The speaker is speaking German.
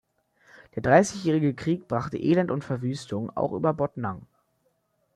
Der Dreißigjährige Krieg brachte Elend und Verwüstung auch über Botnang.